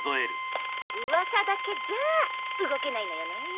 噂だけじゃ動けないのよね。